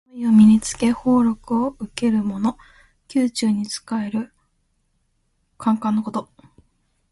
黄色の衣を身に着け俸禄を受けるもの。宮中に仕える宦官のこと。